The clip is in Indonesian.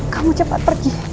kamu cepat pergi